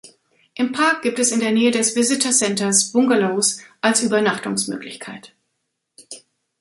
Im Park gibt es in der Nähe des Visitor Centers Bungalows als Übernachtungsmöglichkeit.